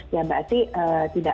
ya berarti tidak